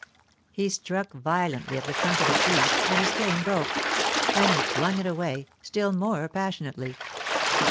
He struck violently at the trunk of a tree, and his cane broke; then he flung it away, still more passionately.